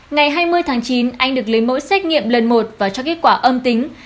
ngày hai mươi tháng chín anh được lấy mẫu xét nghiệm lần một và cho kết quả âm tính